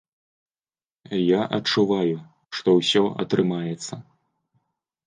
Я адчуваю, што ўсё атрымаецца.